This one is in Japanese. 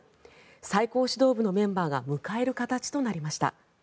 最高指導部のメンバーが迎える形となりました。